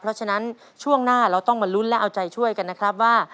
เพราะฉะนั้นช่วงหน้าเราต้องมาลุ้นและเอาใจช่วยกันนะครับว่า